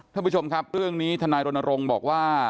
คุณผู้ชมครับเรื่องนี้ธนัยโรนรงศ์บอกว่า